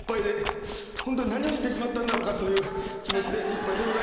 ホントに何をしてしまったんだろうかという気持ちでいっぱいです。